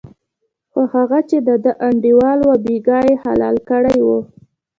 خو هغه چې دده انډیوال و بېګا یې حلال کړی و.